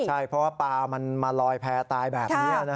ใช่เพราะว่าปลามันมาลอยแพ้ตายแบบนี้